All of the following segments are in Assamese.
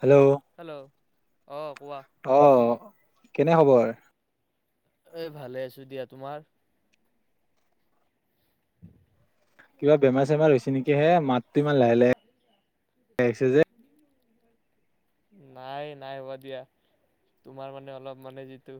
হেল্ল' হেল্ল' অ কাহ অ কেনে খবৰ এ ভালে আছো দিয়া তোমাৰ [inaudible] কিবা বেমাৰ চেমাৰ হৈছে নেকি হে মাত টো ইমান লাহে লাহে আহিছে যে নাই নাইহোৱা দিয়া তোমাৰ মানে অলপ মানে যিটো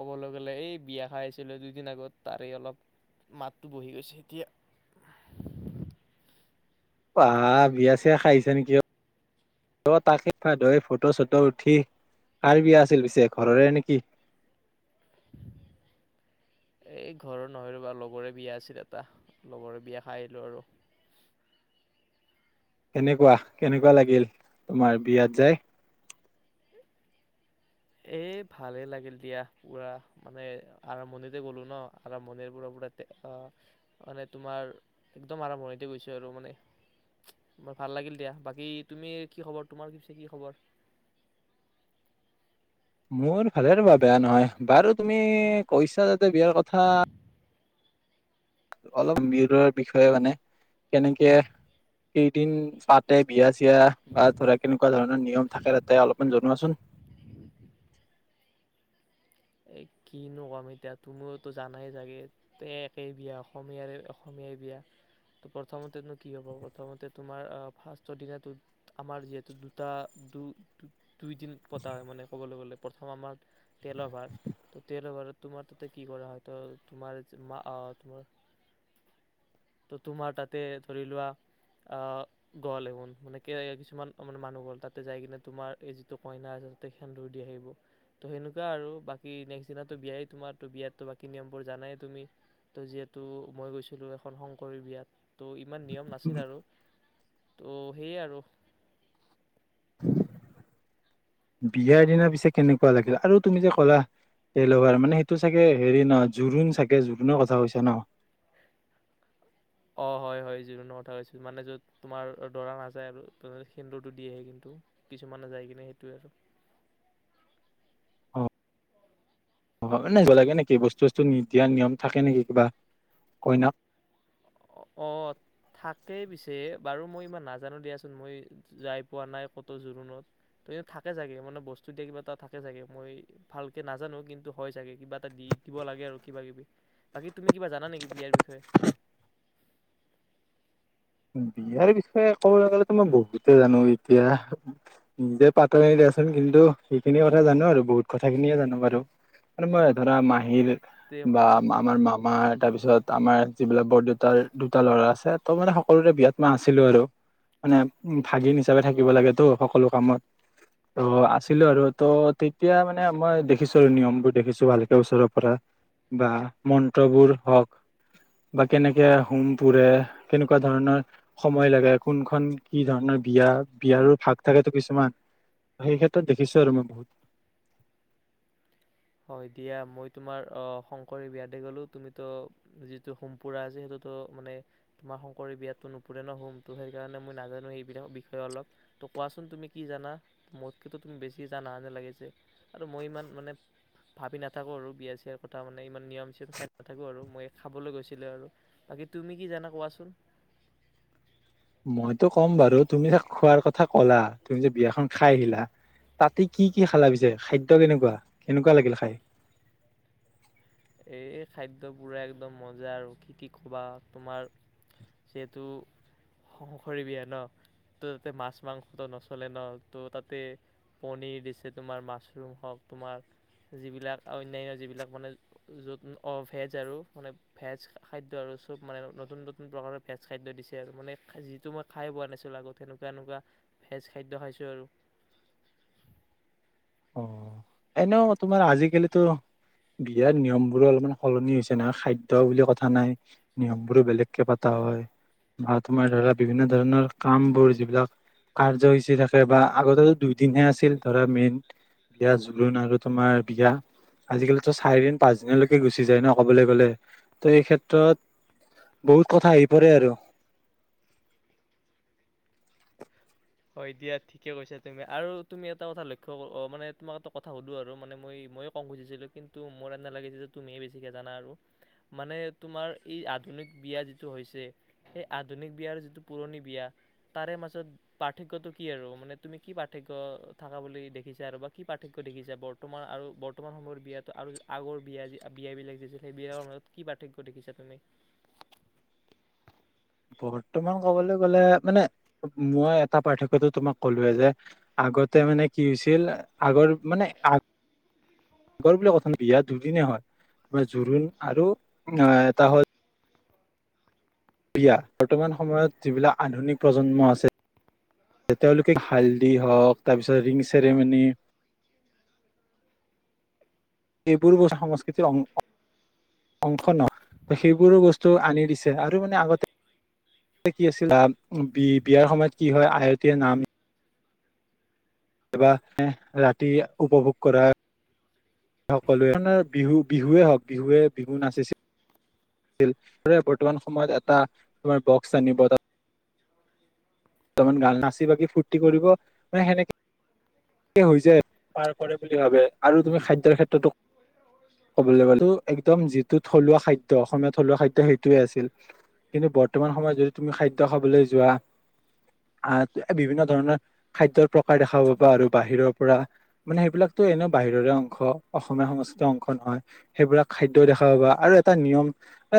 কবলৈ গ'লে এই বিয়া খাই আহিছিলো দুইদিন আগত তাৰে অলপ মাতটো বহি গৈছে এতিয়া বা বিয়া চিয়া খাই আহিছা নেকি অ তাকে ধই ফটো চটো উঠি কাৰ বিয়া আছিল পিছে ঘৰৰে নেকি এই ঘৰৰ নহয়ো বা লগৰে বিয়া আছিল এটা লগৰে বিয়া খাই আহিলো আৰু কেনেকোৱা কেনেকোৱা লাগিল তোমাৰ বিয়াত যাই এ ভালে লাগিল দিয়া পুৰা মানে আৰম্ভণিতে গলো ন আৰম্ভণিৰ পৰা পুৰা আহ মানে তোমাৰ একদম আৰম্ভণিতে গৈছো আৰু মানে ভাল লাগিল দিয়া বাকী তুমি কি খবৰ তোমাৰ পিছে কি খবৰ মোৰ ভালে ৰবা বেয়া নহয় বাৰু তুমি কৈছা এয়া বিয়াৰ কথা অলপ বিয়াৰ বিষয়ে মানে কেনেকে কেইদিন তাতে বিয়া চি য়া বা ধৰা কেনেকোৱা ধৰণৰ নিয়ম থাকে তাতে অলপমান জনোৱাচোন এ কিনো কম এতিয়া তুমিওতো জানাই চাগে একেই বিয়া অসমীয়াৰে অসমীয়াই বিয়া ত প্ৰথমতেনো কি হ'ব প্ৰথমতে তোমাৰ ফাৰ্ষ্ট দিনা আমাৰ যিহেতু দুটা দু দুইদিন পতা হয় মানে ক'বলৈ গ'লে প্ৰথম আমাৰ তেলৰ ভাৰ ততে ৰবা আৰু তোমাৰ তাতে কি কৰা হয় ত তোমাৰ আহ তোমাৰ ত তোমাৰ তাতে ধৰি লোৱা অহ গল এভোন মানে কিছুমান মানে মানুহ গল তাতে যাই কিনে তোমাৰ এই যিটো কইনা আছে তাতে সেন্দুৰ দি আহিব ত সেনেকোৱা আৰু বা কি নেক্সট দিনাটো বিয়াই তোমাৰ তো বিয়াতো বাকী নিয়মবোৰ জানাই তুমি ত' যিহেতু মই গৈছিলোঁ এখন শংকৰীৰ বিয়াত ত' ইমান নিয়ম নাছিল আৰু ত' সেই আৰু বিয়াৰ দিনা পিছে কেনেকোৱা লাগিল আৰু তুমি যে ক'লা তেলৰ ভাৰ মানে সেইটো চাগে হেৰি ন জোৰোণ চাগে জোৰোণৰ কথা কৈছা ন অ হয় হয় জোৰোণৰ কথা কৈছো মানে য'ত তোমাৰ দৰা নাযায় আৰু সেন্দুৰটো দিয়ে আহে কিন্তু কিছুমানে যায় কিনে সেইটোৱে আৰু অ এনে গলাগে নেকি বস্তু চস্তু নি দিয়া নিয়ম থাকে নেকি কিবা কইনা অ', থাকেই পিছে বাৰু মই ইমান নাজানো দিয়াচোন মই যাই পোৱা নাই ক'ত জোৰোণত ত থাকে চাগে মানে বস্তু দিয়া কিবা এটা থাকে চাগে মই ভালকে নাজানো কিন্তু হয় চাগে কিবা এটা দি দিব লাগে আৰু কিবা কিবি বাকী তুমি কিবা জানা নেকি বিয়াৰ বিষয়ে বিয়াৰ বিষয়ে ক'বলৈ গলেতো মই বহুতে জানো এতিয়া নিজে পাতাই নাই দিয়াচোন কিন্তু সেইখিনি কথা জানো আৰু বহুত কথাখিনিয়ে জানো বাৰু মানে মই ধৰা মাহিৰ তে বা আমাৰ মামাৰ তাৰপিছত আমাৰ যিবিলাক বৰদেউতাৰ দুটা ল'ৰা আছে ত' মানে সকলোৰে বিয়াত মই আছিলো আৰু মানে ভাগিন হিচাপে থাকিব লাগেতো সকলো কামত ত আছিলো আৰু ত' তেতিয়া মানে মই দেখিছো আৰু নিয়মবোৰ দেখিছো ভালকে ওচৰৰ পৰা বা মন্ত্ৰবোৰ হওক বা কেনেকে হোম পুৰে কেনে কেনেকোৱা ধৰণৰ সময় লাগে কোনখন কি ধৰণৰ বিয়া বিয়াৰো ভাগ থাকেতো কিছুমান সেই ক্ষেত্ৰত দেখিছো আৰু মই বহুত হয় দিয়া মই তোমাৰ শংকৰীৰ বিয়াতে গ'লো তুমিতো যিটো হোম পুৰা আছে সেইটোতো মানে তোমাৰ শংকৰী বিয়াতটো নুপুৰে ন হোমটো সেইকাৰণে মই নাজানো সেইবিলাক বিষয়ে অলপ তো কোৱাচোন তুমি কি জানা মোতকেতো তুমি বেছি জানা যেন লাগিছে আৰু মই ইমান মানে ভাবি নাথাকো আৰু বিয়া চিয়াৰ কথা মানে ইমান নিয়ম চিয়ম চাই নাথাকোঁ আৰু মই খাবলৈ গৈছিলো আৰু বাকী তুমি কি জানা কোৱাচোন মইতো ক'ম বাৰু তুমি যে খোৱাৰ কথা কলা তুমি যে বিয়াখন খাই আহিলা তাতে কি কি খালা পিছে খাদ্য কেনেকোৱা কেনেকোৱা লাগিল খাই এ খাদ্য পুৰা একদম মজা আৰু কি কি ক'বা তোমাৰ যিহেতু শংকৰি বিয়া ন তো তাতে মাছ মাংসটো নচলে ন তো তাতে পনীৰ দিছে তোমাৰ মাছৰুম হওক তোমাৰ যিবিলাক অন্যান্য যিবিলাক মানে যত অ ভেজ আৰু মানে ভেজ খাদ্য আৰু চব মানে নতুন নতুন প্ৰকাৰৰ ভেজ খাদ্য দিছে আৰু মানে যিটো মই খাই পোৱা নাছিলোঁ আগত এনেকোৱা এনেকোৱা ভেজ খাদ্য খাইছোঁ আৰু অ এনেও তোমাৰ আজিকালিতো বিয়াৰ নিয়মবোৰো অলপমান সলনি হৈছে নহয় খাদ্য বুলি কথা নাই নিয়ম বোৰো বেলেগকে পতা হয় বা তোমাৰ ধৰা বিভিন্ন ধৰণৰ কামবোৰ যিবিলাক কাৰ্যসূচী থাকে বা আগতেতো দুইদিনহে আছিল ধৰা মেইন বিয়া জোৰোণ আৰু তোমাৰ বিয়া আজিকালিতো চাৰি দিন পাঁচ দিনলৈকে গুচি যায় ন কবলৈ গলে ত এই ক্ষেত্ৰত বহুত কথা আহি পৰে আৰু হয় দিয়া ঠিকে কৈছা তুমি আৰু তুমি এটা কথা লক্ষ্য মানে তোমাক এটা কথা সুধোঁ আৰু মানে মই ময়ে ক'ব খুজিছিলোঁ কিন্তু মোৰ এনে লাগিছে যে তুমিয়ে বেছিকে জানা আৰু মানে তোমাৰ এই আধুনিক বিয়া যিটো হৈছে সেই আধুনিক বিয়াৰ যিটো পুৰণি বিয়া তাৰে মাজত পাৰ্থক্যটো কি আৰু মানে তুমি কি পাৰ্থক্য থকা বুলি দেখিছা আৰু বা কি পাৰ্থক্য দেখিছা বৰ্তমান আৰু বৰ্তমান সময়ৰ বিয়াত আৰু আগৰ বিয়াত বিয়া বিলাক দিছিল সেই বিলাকৰ মাজত কি পাৰ্থক্য দেখিছা তুমি বৰ্তমান ক'বলৈ গলে মানে মই এটা পাৰ্থক্যটো তোমাক কলোয়ে যে আগতে মানে কি হৈছিল আগৰ মানে আগৰ বুলি কথা নাই বিয়া দুদিনে হয় তোমাৰ জোৰোণ আৰু এটা হল বিয়া বৰ্তমান সময়ত যিবিলাক আধুনিক প্ৰজন্ম আছে তেওঁলোকে হালদি হওঁক তাৰপিছত ৰিং ছেৰিমনী এইবোৰ বস্তু সংস্কৃতিৰ অং অংশ নহয় সেইবোৰো বস্তু আনি দিছে আৰু মানে আগতে কি আছিল বিয়াৰ সময়ত কি হয় আয়তীয়ে নাম বা ৰাতি উপভোগ কৰা সকলোৱে বিহু বিহুৱে হওক বিহুৱে বিহু নাচিছিল বৰ্তমান সময়ত এটা তোমাৰ বক্স আনিব তাত দুটামান গান নাচি বাগি ফুৰ্তি কৰিব মানে সেনেকে হৈ যায় পাৰ কৰে বুলি ভাবে আৰু তুমি খাদ্যৰ ক্ষেত্ৰতো কবলৈ গ'লে একদম যিটো থলুৱা খাদ্য অসমীয়া থলুৱা খাদ্য সেইটোৱে আছিল কিন্তু বৰ্তমান সময়ত যদি তুমি খাদ্য খাবলৈ যোৱা আহ বিভিন্ন ধৰণৰ খাদ্যৰ প্ৰকাৰ দেখা পাবা আৰু বাহিৰৰ পৰা মানে সেইবিলাকতো এনেও বাহিৰৰে অংশ অসমীয়া সংস্কৃতিৰ অংশ নহয় সেইবিলাক খাদ্য দেখা পাবা আৰু এটা নিয়ম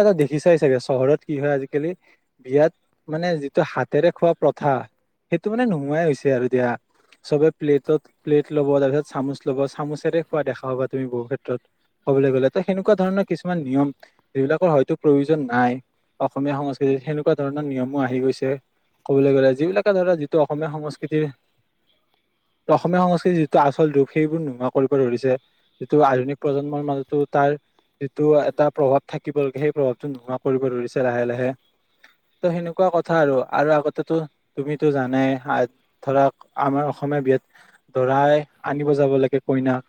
এটা দেখি চাই চাগে চহৰত কি হয় আজিকালি বিয়াত মানে যিটো হাত তেৰে খোৱা প্ৰথা সেইটো মানে নোহোৱাই হৈছে আৰু দিয়া চবে প্লেটত প্লেট চামুচ লব চামুচেৰে খোৱা দেখা হবা তুমি বহু ক্ষেত্ৰত ক'বলৈ গলে তো সেনেকুৱা ধৰণৰ কিছুমান নিয়ম যিবিলাকৰ হয়তো প্ৰয়োজন নাই অসমীয়া সংস্কৃতিত সেনেকুৱা ধৰণৰ নিয়মো আহি গৈছে। কবলৈ গ'লে যিবিলাকে ধৰা যিটো অসমীয়া সংস্কৃতিৰ অসমীয়া সংস্কৃতিৰ যিটো আচল ৰূপ সেইবোৰ নোহোৱা কৰিব ধৰিছে যিটো আধুনিক প্ৰজন্মৰ মাজতো তাৰ যিটো এটা প্ৰভাৱ থাকিব লাগে সেই প্ৰভাৱটো নোহোৱা কৰিব ধৰিছে লাহে লাহে ত সেনেকুৱা কথা আৰু। আৰু আগতো তুমিতো জানে ধৰা আমাৰ অসমীয়া বিয়াত দৰাই আনিব যাব লাগে কইনাক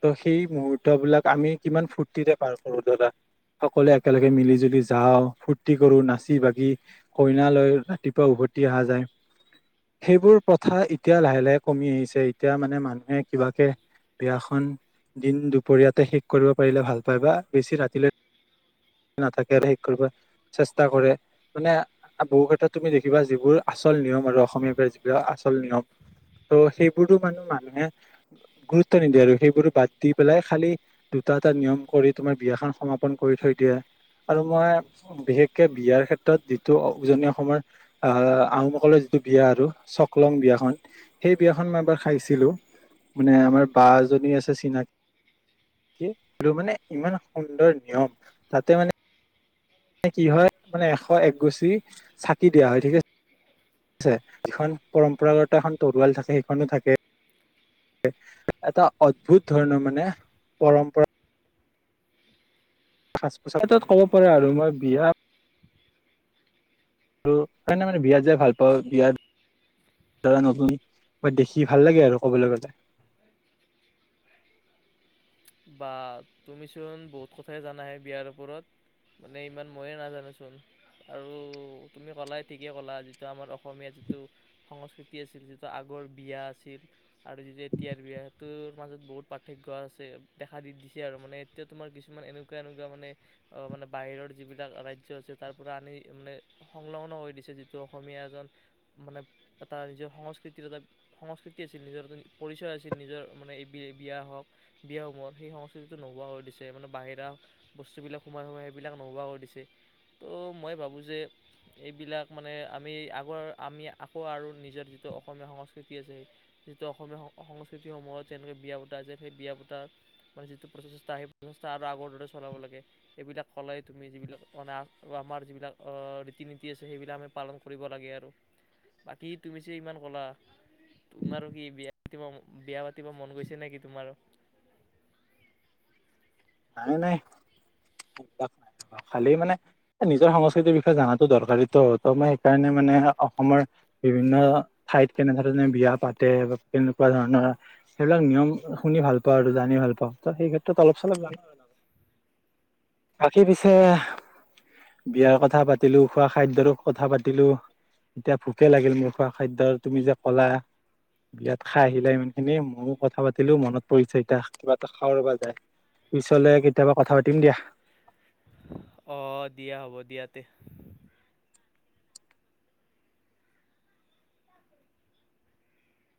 ত সেই মুহূুৰ্তবলাক আমি কিমান ফূুৰ্তিৰে পাৰ কৰো ধৰা সকলোৱে একেলগে মিলি জুলি যাও ফূুৰ্তি কৰো নাচি বাগি কইনা। কইনা লৈ ৰাতিপুৱা উভতি অহা যায় সেইবোৰ প্ৰথা এতিয়া লাহে লাহে কমি আহিছে এতিয়া মানে মানুহে কিবাকে বিয়াখন দিন দুপৰীয়াতে শেষ কৰিব পাৰিলে ভাল পায় বা বেছি ৰাতিলৈ নাথাকে শেষ কৰিব চেষ্টা কৰে মানে। বহু ক্ষেত্ৰত তুমি দেখিবা যিবোৰ আচল নিয়ম আৰু অসমীয়াৰ পৰা যিবিলাক আচল নিয়ম ত সেইবোৰো মানে মানুহে গুৰুত্ব নিদিয়ে আৰু সেইবোৰ বাদ দি পেলাই খালি দুটা এটা নিয়ম কৰি তোমাৰ বিয়াখন সমাপন কৰি থৈ দিয়ে আৰু মই বিশেষকে বিয়াৰ ক্ষেত্ৰত। টো উজনী অসমৰ আহোমকলৰ যিটো বিয়া আৰু চকলং বিয়াখন সেই বিয়াখন মই এবাৰ খাইছিলো মানে আমাৰ বা এজনী আছে চিনাকি সেটো মানে ইমান সুন্দৰ নিয়ম তাতে মানে কি হয় মানে এশ একগুছি চাকি দিয়া হয় ঠিক আছে। ছে সিখন পৰম্পৰাগত এখন তৰুৱাল থাকে সেইখনো থাকে। এটা অদ্ভুত ধৰণৰ মানে পৰম্পৰা। সাজ পোছাক ক্ষেত্ৰত ক'ব পাৰো আৰু মই বিয়া আৰু এনেই মানে বিয়া চিয়া ভাল পাওঁ বিয়াৰ দাৰা নতুন দেখি ভাল লাগে আৰু ক'বলৈ গ'লে বা তুমিচোন বহুত কথাই জানাহে বিয়াৰ ওপৰত মানে ইমান ময়ে নাজানোচোন আৰু তুমি ক'লা ঠিকেই ক'লা যিটো আমাৰ অসমীয়া যিটো সংস্কৃতি আছিল যিটো আগৰ বিয়া আছিল আৰু যিটো এতিয়াৰ বিয়া সেইটোৰ মাজত বহুত পাৰ্থক্য আছে দেখা দি দিছে আৰু মানে এতিয়া তোমাৰ কিছুমান এনেকুৱা এনেকুৱা মানে মানে বাহিৰৰ যিবিলাক ৰাজ্য আছে তাৰ পৰা আনি মানে সংলগ্ন কৰি দিছে যিটো অসমীয়া এজন মানে এটা নিজৰ সংস্কৃতিৰ এটা সংস্কৃতি আছিল নিজৰ এটা পৰিচয় আছিল নিজৰ মানে বিয়া হওক বিয়া হও সমত সেই সংস্কৃতিটো নোহোৱা হৈ দিছে মানে বাহিৰা বস্তুবিলাক সোমাই সোমাই সেইবিলাক নোহোৱা হৈ দিছে ত' মই ভাবোঁ যে এইবিলাক মানে আমি আগৰ আমি আকৌ আৰু নিজৰ যিটো অসমীয়া সংস্কৃতি আছে যিটো অসমীয়া সংস্কৃতিসমূহত যেনেকৈ বিয়া পতা আছে সেই বিয়া পতাৰ মই যিটো প্ৰচেষ্টা সেই প্ৰচেষ্টা আৰু আগৰ দৰে চলাব লাগে এইবিলাক ক'লাই তুমি যিবিলাকান আমাৰ যিবিলাক ৰীতি নীতি আছে সেইবিলাক আমি পালন কৰিব লাগে আৰু বাকী তুমি যে ইমান ক'লা তোমাৰ কি বিয়া বিয়া পাতিবা মন গৈছে নেকি তোমাৰ নাই নাই সেবিলাক নাই খালি মানে নিজৰ সংস্কৃতিৰ বিষয়ে জানাতো দৰকাৰতো ত মই সেইকাৰণে মানে অসমৰ বিভিন্ন ঠাইত কেনেধৰণে বিয়া পাতে বা কেনেকুৱা ধৰণৰ সেইবিলাক নিয়ম শুনি ভাল পাওঁ আৰু জানি ভাল পাওঁ ত সেই ক্ষেত্ৰত অলপ চলপ জানো বাকী পিছে বিয়াৰ কথা পাতিলো খোৱা খাদ্যৰো কথা পাতিলো এতিয়া ভোকে লাগিল মোৰ খোৱা খাদ্যৰ তুমি যে কলা বিয়াত খাই আহিলা ইমান খিনি ময়ও কথা পাতিলো মনত পৰিছে এতিয়া কিবা এটা খাওঁ ৰবা যায় পিছলে কেতিয়াবা কথা পাতিম দিয়া অ দিয়া হ'ব দিয়া তে